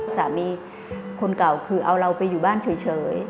สามีคนเก่าคือเอาเราไปอยู่บ้านเฉย